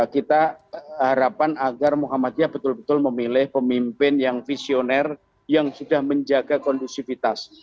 kita harapan agar muhammadiyah betul betul memilih pemimpin yang visioner yang sudah menjaga kondusivitas